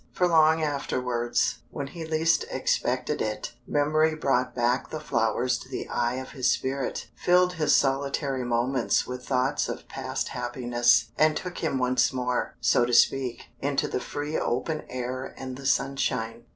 For long afterwards, when he least expected it, memory brought back the flowers to the eye of his spirit, filled his solitary moments with thoughts of past happiness, and took him once more (so to speak) into the free open air and the sunshine.